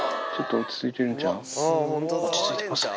落ち着いてますね。